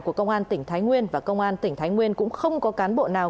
của công an tỉnh thái nguyên và công an tỉnh thái nguyên cũng không có cán bộ nào